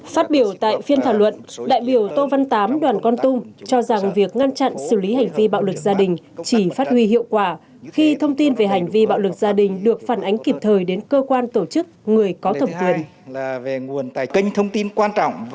phát biểu tại phiên thảo luận đại biểu tô văn tám đoàn con tum cho rằng việc ngăn chặn xử lý hành vi bạo lực gia đình chỉ phát huy hiệu quả khi thông tin về hành vi bạo lực gia đình được phản ánh kịp thời đến cơ quan tổ chức người có thẩm quyền